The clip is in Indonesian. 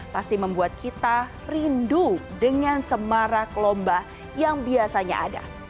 pasti membuat kita rindu dengan semarak lomba yang biasanya ada